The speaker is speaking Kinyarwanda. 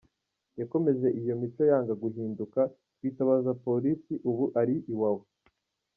Yakomeje iyo mico yanga guhinduka twitabaza police ubu ari i wawa.